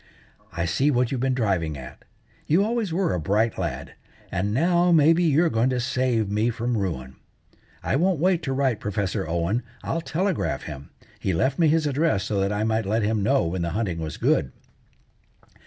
"I see what you've been driving at. You always were a bright lad, and now, maybe, you're going to save me from ruin. I won't wait to write Professor Owen; I'll telegraph him. He left me his address so that I might let him know when the hunting was good."